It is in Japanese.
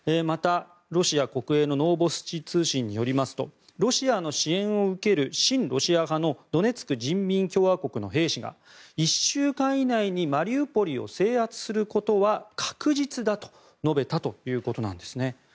また、ロシア国営のノーボスチ通信によりますとロシアの支援を受ける親ロシア派のドネツク人民共和国の兵士が１週間以内にマリウポリを制圧することは確実だと述べたということです。